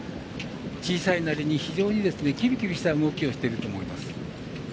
小さいなりに非常にきびきびした動きをしていると思います。